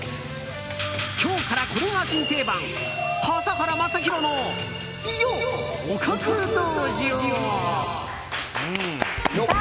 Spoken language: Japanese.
今日から、これが新定番笠原将弘のおかず道場。